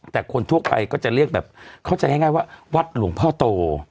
แต่คนทั่วไปก็จะเรียกแบบเข้าใจง่ายว่าวัดหลวงพ่อโต